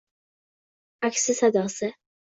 Aksi sadosi.